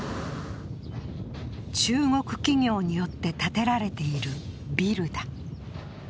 中国企業によって建てられているビルだ。